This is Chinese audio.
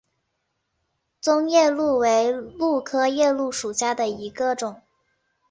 棕夜鹭为鹭科夜鹭属下的一个种。